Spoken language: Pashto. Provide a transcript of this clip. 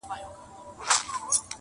او طوطي ته یې دوکان وو ورسپارلی!!